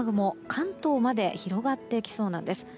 関東まで広がってきそうなんです。